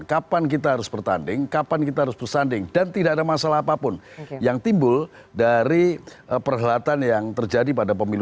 kapan kita harus bertanding kapan kita harus bersanding dan tidak ada masalah apapun yang timbul dari perhelatan yang terjadi pada pemilu dua ribu sembilan